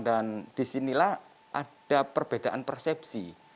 disinilah ada perbedaan persepsi